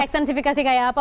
ekstensifikasi kayak apa